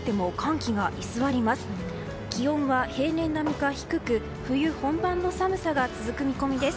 気温は平年並みか低く冬本番の寒さが続く見込みです。